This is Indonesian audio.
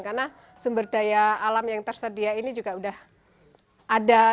karena sumber daya alam yang tersedia ini juga sudah ada